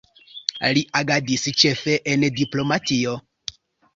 Li agadis ĉefe en diplomatio.